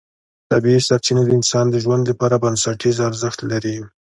طبیعي سرچینې د انسان د ژوند لپاره بنسټیز ارزښت لري